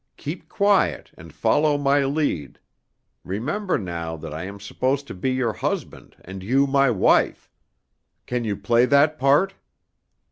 "Keep quiet and follow my lead. Remember, now, that I am supposed to be your husband and you my wife. Can you play that part?"